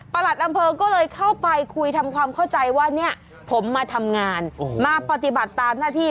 หลัดอำเภอก็เลยเข้าไปคุยทำความเข้าใจว่าเนี่ยผมมาทำงานมาปฏิบัติตามหน้าที่